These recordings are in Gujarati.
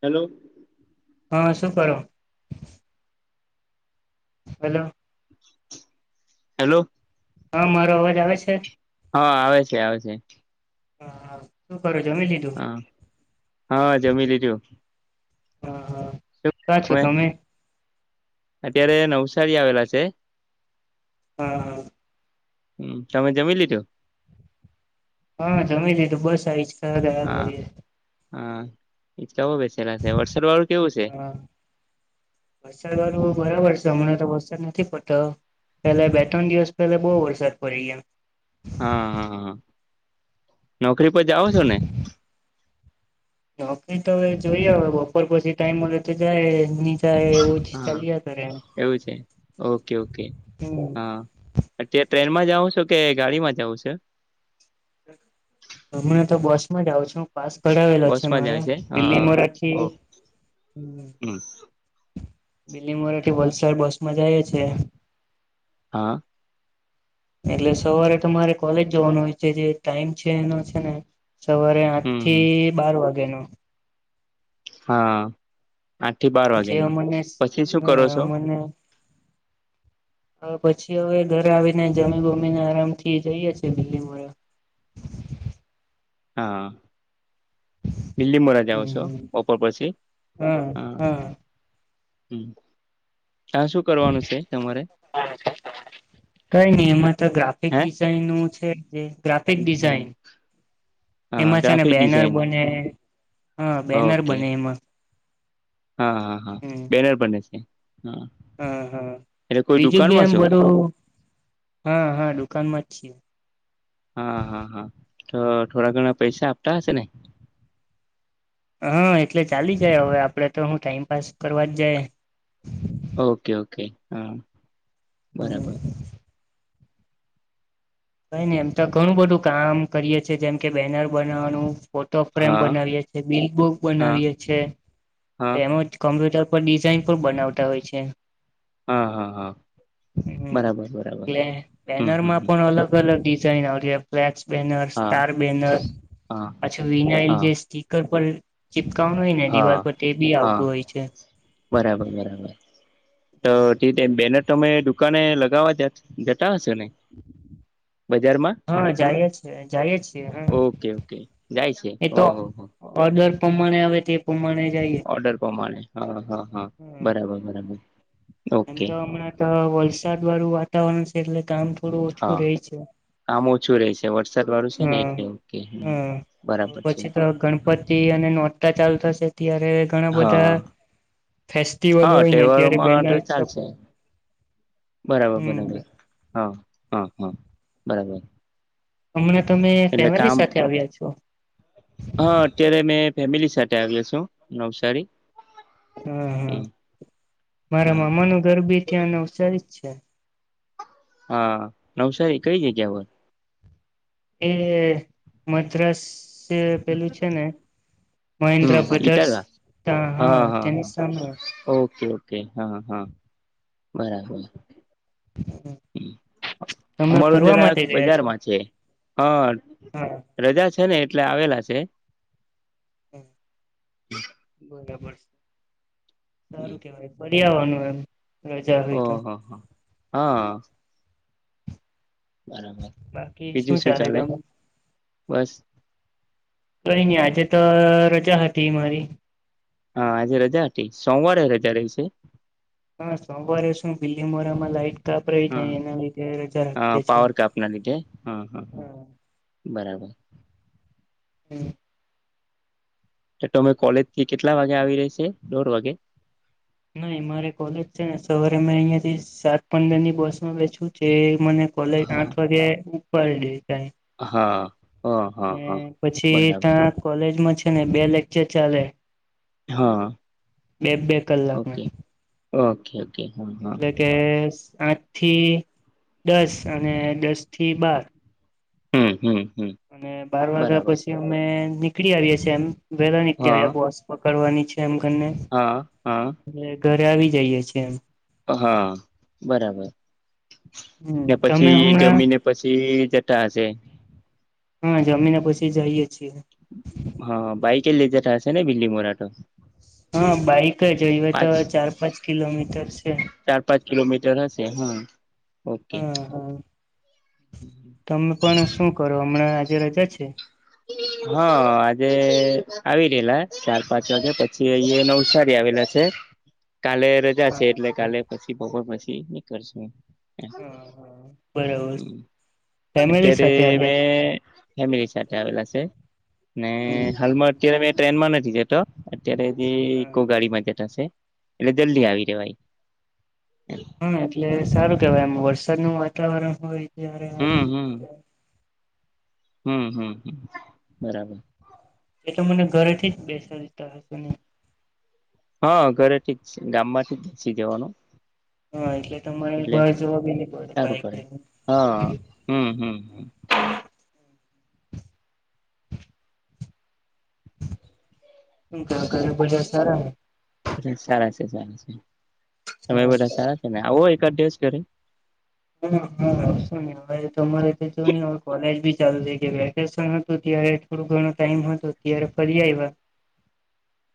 હેલો. હા શું કરો? હેલો. હેલો. હા મારો અવાજ આવે છે? હા આવે છે આવે છે. હા હા શું કરો જમી લી હા, હા જમી લીધું. હા હા, ક્યા છો તમે? અત્યારે નવસારી આવેલા છે. હા હા. હમ્મ, તમે જમી લીધુ? હા જમી લીધું બસ હવે હિંચકા ખાવા જઈએ. હિચકા પ બેસ લા છે વરસાદ વાળું કેવું છે? હા હમણા તો વરસાદ નથી પડતો પેલા બે ત્રણ દિવસ પહેલા બહુ વરસાદ પડી ગયો એમ. હા, હા, હા નોકરી પર જાઓ છો ને? નૌકરી તો હવે જોઈએ હવે બપોર પછી ટાઈમ મળે તો જાય એની તા એવું હા ચાલીયા કરે, એવું છે હમ્મ. ટ્રેન માં જાઉં છો કે ગાડી માં જાઉં છે? હમને તો બસ માં જઉં છું. પાસ કઢાવેલો છે બસમાં મારો જાય હા બીલીમોરાથી, ઓ હમ્મ. બીલીમોરા થી વલસાડ બસ માં જાય છે. હા. એટલે સવારે તમારે કોલેજ જવાનું હોય છે જે ટાઈમ છે એનો છે ને સવારે આઠ હમ હમ થી બાર વાગે નો. હા આઠ થી બાર જે વાગ્યા નો અમને પછી શું કરો હા છો? હવ પછી હવે ઘરે આવીને જમી ગમીને આરામ થી જઈએ છી [unintelligible] હા. બીલી મોરા જાઓ હમ છો હમ બપોર પછી? હા. [inaudible] હમ્મ. કઈ નઈ એમાં તો ગ્રાફિક હે ડી ઝાઇન નું છે કે ગ્રાફિક હમ ડિઝાઇન, હા એમાં છે ને ગ્રાફિક બેનર ડિઝાઇન બને હા બેનર ઓકે બને એમાં. હા, હા, હા હમ બેનર બને છે, હા. હા હા એટલે કોઈ બીજું ભી દુકાનમાં એમ છો બધું, હા હા દુકાનમાં જ છીએ. હા હા હા તો થોડા ઘણા પૈસા આપતા હશે ને? હા એટલે ચાલી જાય હવે આપડે તો હું ટાઈમપાસ કરવા જ જાય. ઓકે ઓકે હા. બરાબર હમ્મ. કઈ ને એમ તો ઘણું બધું કામ કરીએ છે જેમ કે બેનર બનાવવાનું ફોટો ફ્રેમ હા બનાવીએ છે, બીલ બુક હા બનાવીએ છે હા એમજ કમ્પ્યુટર પર ડિઝાઇન પણ બનાવતા હોય છે. હા હા હા હમ્મ બરાબર બરાબર એટલે હમ બેનર હમ માં હમ પણ અલગ અલગ અલગ ડિઝઇન આવ ફ્લેક્સ બેનર, હા સ્ટાર બેનર હા પછી વિનાયલ હા જે સ્ટ ઘર પર ચીપકાવનું હોય ને હા દિવાલ પર તે બી હા આવતું હોય છે. બરાબર બરાબર, તો તે બેનર તમે દુકાને લગાવવા જ જતા હશો ને, બજારમાં? હા જાયએ છે જાયએ છીએ, હા. ઓકે ઓકે જાય છે એ તો ઓહ હો હો. ઓર્ડર પ્રમાણે આવે તે પ્રમાણે જઈએ. ઓર્ડર પ્રમાણે હ હા હા બરાબરરાબર આમ તો હમણાં તો વલસાડ વાળું વાતાવરણ છે એટલે કામ થોડું ઓછું રહે છે. આમ ઓછું રે છે વરસાદ વાળું છે ને હા. એટલે ઓકે હમ્મ હા. બરાબર છે. પછી તો ગણપતિ અને નોટતા ચાલુ થશે ત્યારે ઘણા બધા હા ફેસ્ટિવલ હા હોય ને અત્યારે તહેવારોમાં બેનરસ તો ચાલશે પો બરાબર હમ્મ બે બરાબર હા હા હા બરાબર. હમણાં તમે એટલે ફેમિલી કામ સાથે આવ્યા છો? હા, અત્યારે મેં ફેમિલી સાથે આવેયો છું નવસારી. હા હા હમ મારા હા મામા નું ઘરબી ત્યાંને અવસારી જ છે. હા, નવસારી કઈ જગ્યા હોય? એ મદ્રાસ તે પેલું છે ને હમ મહેન્દ્રા બ્રધર્સ ઇટારવા હા આ હા તેની હા સામે. ઓકે ઓકે હા હા બરાબર. હા. હમ્મ અમારું જરા ગયા છો બજારમાં છે. હા હા રજા છે ને એટલે આવેલા છે. હા, બરાબર છે. સારું કેવાય. બડિયાવાનું એમ. રજા હોય તો ઓહ હા હા હા. બરાબર બીજું શું ચાલે? બસ કઈ નહી આજે તો અહ રજા હતી મારી. હા, આજે રજા હતી. સોમવારે રજા રહી છે? હા, સોમવારે શું બિલ્ડિંગ વારામાં લાઈટ તો આપડે એ કઈ હા એના લીધે રજા હા રાખીએ છે પાવર કાપ ના લીધે હા હા. બરાબર. હમ તમે કોલેજ થી કેટલા વાગે આવી ર છે દોઢ વાગે. નાહી મારે કોલેજ છે ને સવારે મે અહંયાથી સાત પંદરની બસમાં બેું જે મને કોલેજ હા આઠ વાગે ઉપર દે તાય હા હા હા હા પછી બરાબર ત્યાં કોલેજમાં છે ને બે લેક્ચર ચાલે હા બે બે કલાક ના ઓકે ઓકે ઓકે હા હા કે આઠ થી દસ અને દસ થી બાર. હમ્ હમ હમ અને બાર વાગ્યા બરાબર પછી અમે નીકળી આવીએએ એમ વેલા નીકળી હા આવ્યા બસ. પકડવાની છે એમ કરીને હા હા. એ ઘરે આવી જઈએે છીએ એમ હા બરાબર હમ કે તમે પછી હમણાં જમીને પછી જતા હશે. હા જમીને પછી જઈએ છીએ. હા બાઈક કેલી જટાશે ને બીલીમોરા તો હા બાઈક જવે તો પાંચ ચાર પાંચ કિલોમીટર છે. ચાર પાંચ કિલોમીટર હશે હા ઓકે. હા હા તમે પણ શું કરો હમણાં આજે રજા છે. હા આજે આવી રહેલા ચાર પાંચ વાગે પછી અહ નવસારી આવેલા. તે કાલે રજા છે એટલે હા કાલે પછી બપોર પછી નીકળશુ. હા હા બરાબર ફેમિલી અત્યારે સાથે મે. આવ્યા છો ફેમિલી સાથે આવેલા છે ને હમ હાલમાં અત્યારે મેં ટ્રેન માં નથી જતો તો અત્યારે જે હા ઈકો ગાડી માં જતાશે. એટલે જલ્દી આવી જવાઈ. હા એટલે સારું કેવાય એમ વરસાદનું વાતાવરણ હોય ત્યારે હમ આમ. હમ હમ હમ બરાબર. એ તો મને ઘરે થી જ બેસા દેતા હશે ને. હા ઘરે થી જ ગામ માંથી જ બેસી જવાનું હા એટલે તમારે એટલે બહાર જવા બી નહી પડે સારું બાઈક હા લઈને. હમ હમ હ. ધાગ ને બધા સારા સારા છે સારા છે તમે બધા સારા છે ને આવો એક દિવસ ક્યારે હ હા શું ન હવે તમારે નહી હવે કોલેજ બી ચાલુ થ ગ ઇ વેકેશન હતું ત્યારે થોડું ઘણો ટાઈમ હતો ત્યારે ફરી આવ્યા.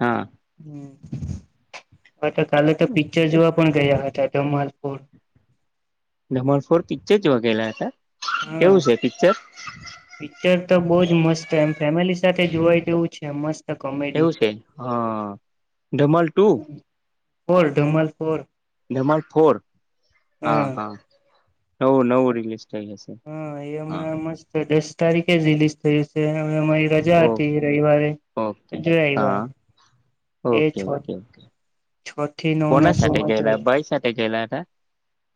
હા હા તો કાલે તો પિક્ચર જોવા પણ ગયા હતા. જમાલપુર. જમાલપુર પિક્ચર જોવા ગયેલા હતા. હા. કેવું છે પિક્ચર પિક્ચર તો બહુ જ મસ્ત એમ ફેમિલી સાથે જોવાઈ જેવું છે મસ્ત. કોમેડી એવું છે હ Dhamaal two. Four Dhamaal four Dhamaal four હા હા. નવુ નવુ રિલીસ્ટ એ હશે હા તો દસ તારીખે જે રિલિસ્ટ તે દિવસે અમારી રજા ઓ હતી રવિવારે ઓકે જો આવ્યા. હા એ છ ઓકે ઓકે છ થી નવ નો કોના શો સાથે માં ગયેલા જોય. ભાઈ સાથે ગયેલા હતા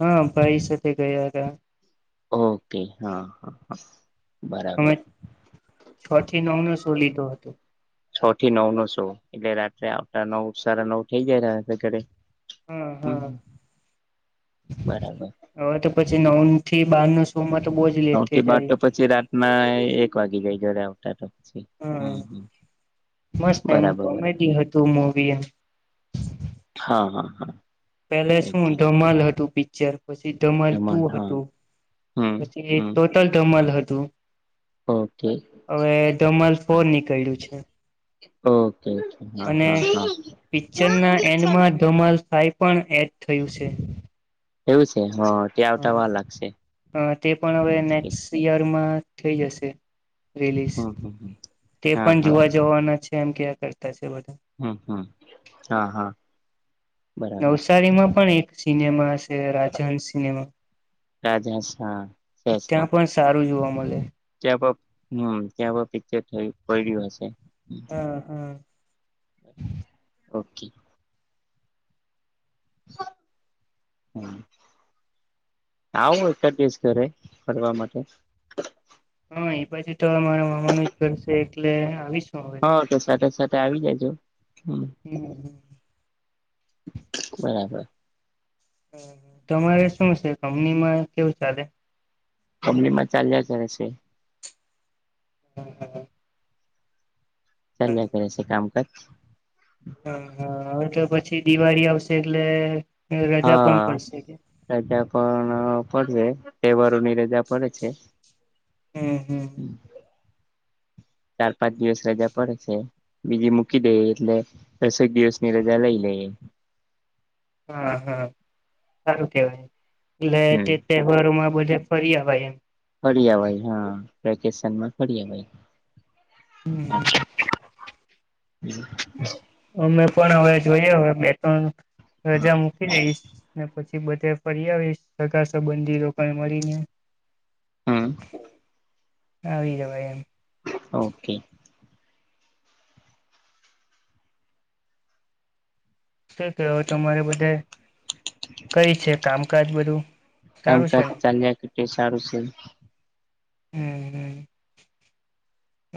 હા ભાઈ સાથે ગયા હતા. ઓકે હા હ અમે બરાબર. છ થી નવ નો સો લીધો હતો. છ થી નવ નો સો એટલે રાત્રે આવતા નવ સારા નવ થઈ જાય ઘર હા હા હમ બરાબર. હવે તો પછી નવ થી બાર નુ હું તો બો જ નવ લેટ થઈ થી બાર જાય તો પછી રાતમાં એક વાગી જાય ઘરે આવતા તો પછી હમ મસ્ત એમ બરાબર બરાબર કોમેડી હતું મુવી એ હા હા હા. પેલે શું ઓકે ધમાલ હતું પિક્ચર પછી ધમાલ એમન તું હા હતું હમ પછી હમ ટોટલ ધમાલ હતું ઓકે હવે ધમાલ ફોર નીકળ્યું છે. Okay okay. હા અને હા હા પિક્ચર ના એન્ડમાં ધમાલ સાઈ પણ એડ થયું છે. એવું છે હ. ત્યાં આવતા વાર લાગશે હા હ તે પણ હવે ઓકે નેક્સ ઇયર માં થઈ જશે રિલીઝ હમ હમ હમ તે હા પણ હા જોવા જ જોવાના છે એમ ક્યાં કરતા છે બધા. હમ હમ હા હા. બરાબર નવસારીમાં પણ એક સિનેમા છે રાજહંસ સિનેમા. રાજ હા સ છે ત્યાં [inaudible] પણ સારું જોવા મળે. ત્યાં હમ ત્યાં પિક્ચર થયું પડ્યું હશે. હા હા. ઓકે. [inaudible] આવું એકાતસ ઘરે ફરવા માટે. હા એ પછી તો અમારા મામાનું જ કરશે એટલે આવીશું. હ તો સાટે સાટે આવી જજો. બરાબર. હ તમારે શું છે કંમનીમાં કેવું ચાલે. કંમની માં ચાલ્યા કરે છે. હમ [inaudible] ચાલ્યા કર હા છે કામકાજ. હા હવે તો પછી દિવાળી આવશે એટલે રજા પણ હા પડશે કે. રજા પણ પડશે તહેવારો ની રજા પડે છે. હમ હમ ચાર પાંચ દિવસ રજા પડ સે. બીજી મૂકી દઈ એટલે દસેક દિવસની રજા લઈ લઈએ. હા હા સારું કેહેવાય એટલે હમ તે. તહેવારોમાં બધા ફરી આવાય એમ. ફળિઅવાય હા વેકેશનમાં ફળિઅવાય. હ [inaudible] અમે પણ હવે જોઈએ હવે બે ત્રણ રજા મૂકી દઈશ ને પછી. થી બધાય ફરી આવીશ સગા- સંબંધી લોકોને મળીને હા. આવી જવાય એમ. ઓકે. શું કરો તમારે બધે કઈ છે કામકાજ બધું. સારું છે કામકાજ ને ચાલ્યા કરતે સારું છે. હમ્ હમ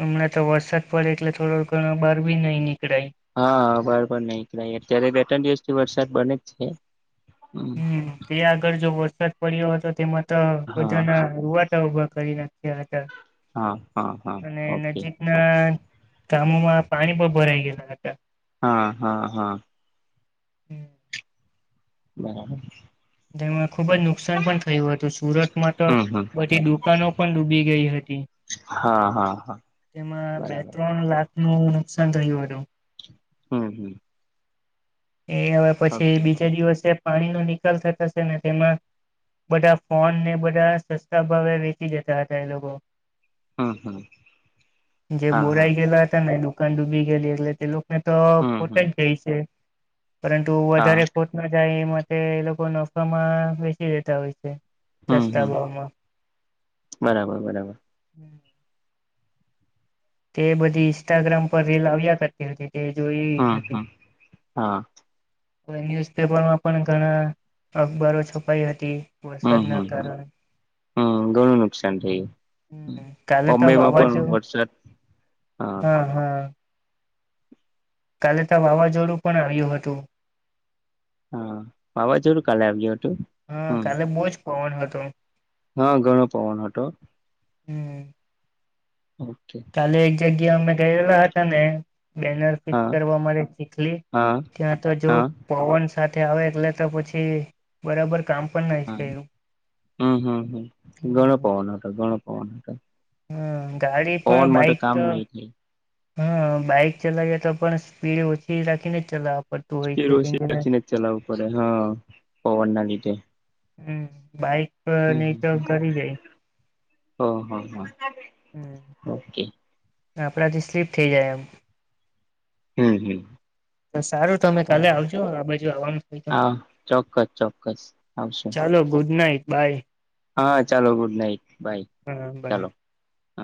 હમણાં તો વરસાદ પડે એટલે થોડો ઘણા બહાર બી નહી નીકળાય. હા બરાબર નહકળાય અત્યારે બે ત્રણ દિવસથી વરસાદ બને જ છે હમ. તે આગળ જો વરસાદ પડ્યો હતો તેમાં તો હા બધાના રુવાટા ઉભા કરી ના. તે હતા હા હા હા અને ઓકે નજીક. ના કામોમાં પાણી પણ ભરાઈ ગયેલા હતા. હા હા હા. બરાબર. તેમ ખૂબ જ. નુકસાન પણ થયું હતું સુરતમાં તો હમ હમ બધી દુકાનો પણ ડૂબી ગઈ હતી. હા હા હા તેમાં બે બરાબર ત્રણ લાખ નું નુકસાન થયું હતું. હમ હમ. એ હવે ઓકે પછી ઓકે બીજા દિવસે પાણીનો નિકાલ થતોશે ને તેમાં બધા ફોન ને બધા સસ્તા ભાવે વેચી જતા હતા એ લોકો. હમ હમ જે હા હા બોરાઈ ગેલો હતા. દુકાન ડૂબી ગયેલી એટલે તે લોકોને તો હમ ખોટ હમ જ ગ‌ઇ છે. પરંતુ હા વધારે ખોટ ના જાય એ માટે લોકો નફામાં વેચી દેતા હોય છે. હમ સસ્તા હમ ભાવામાં. બરાબર બરાબર. [unintelligible] તે બધી ઇન્સ્ટાગ્રામ પર રીલ આવ્યા કરતી હતી તે જોઈ હમ હતી. હમ હા હવે ન્યુઝપેપર માં પણ ઘણા અખબરો છપાઈ હતી. વૈસા હમ જ ના હમ તાર હમ હમ ઘણું નુકસાન થયું, હમ કાલે તો બોમ્બેમાં પણ વરસાદ હા હમ હમ. કાલે તો વાવાઝોડું પણ આવ્યું હતું. હા વાવાઝોડું કાલે આપજો તું હમ. કોણ હતો? હા ઘણો પવન હતો. હમ. ઓકે. કાલે એક જગ્યા અમે ગયેલા હતા ને, બેનર હા કરવા માટે ચીખલી, હા ત્યાં તો જો હા પવન સાથે આવે એટલે તો પછી બરાબર કામ પણ નહી હા થયું. હમ હમ હમ, ગણો પવનો હતો ગણો પવનો હતો. હમ ગાડી પવન પણ માટે બાઈક કામ તો નહી હા બાઈક ચલાવીએ તો પણ સ્પીડ ઓછી રાખીને ચલાવ પડ એને જ ચલાવું પડે હા, પવન ના લીધે. હમ બાઈક નહી તો હમ કરી જાય હ હ હ હ હા, ઓકે. આપડા થી સ્લીપ થઈ જાય એમ. હમ હમ. સારું તમે કાલે બરાબર આવજો આ બાજુ આવનું તો. હા ચોક્કસ ચોક્કસ. આવશું ચાલો ગુડ નાઈટ બાય. હા ચાલો ગુડ નાઇટ બાય હા બાય ચાલો. હા